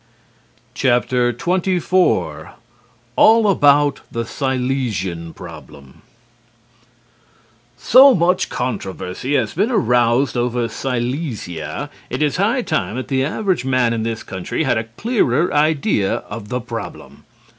XXIV ALL ABOUT THE SILESIAN PROBLEM So much controversy has been aroused over Silesia it is high time that the average man in this country had a clearer idea of the problem.